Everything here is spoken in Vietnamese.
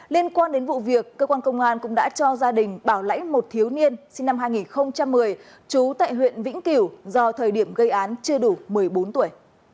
liên quan đến vụ việc cơ quan công an cũng đã cho gia đình bảo lãnh một thiếu niên sinh năm hai nghìn một mươi trú tại huyện vĩnh kiểu do thời điểm gây án chưa đủ một mươi bốn tuổi